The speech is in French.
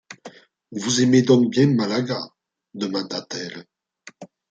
Vous aimez donc bien Malaga ? demanda-t-elle.